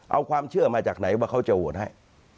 เอาความเชื่อมาจากไหนว่าเขาจะโหวตให้